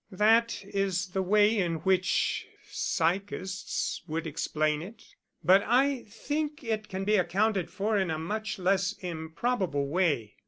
"That is the way in which psychists would explain it, but I think it can be accounted for in a much less improbable way.